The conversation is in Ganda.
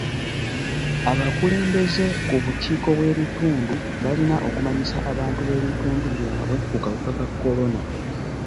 Abakulembeze ku bukiiko bw'ebitundu balina okumanyisa abantu b'ebitundu byabwe ku kawuka ka kolona.